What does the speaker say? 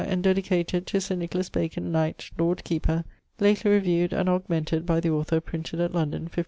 and dedicated to Sir Nicholas Bacon, knight, Lord Keeper, lately reviewed and augmented by the author, printed at London, 1591.